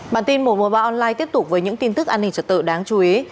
bản tin một trăm một mươi ba online tiếp tục với những tin tức an ninh trật tự đáng chú ý